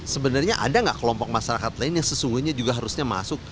sebenarnya ada nggak kelompok masyarakat lain yang sesungguhnya juga harusnya masuk